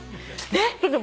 ちょっと。